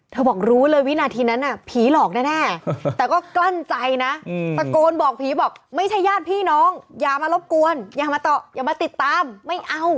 บอกรู้เลยวินาทีนั้นน่ะผีหลอกแน่แต่ก็กลั้นใจนะตะโกนบอกผีบอกไม่ใช่ญาติพี่น้องอย่ามารบกวนอย่ามาต่ออย่ามาติดตามไม่เอา